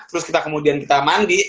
terus kita kemudian kita mandi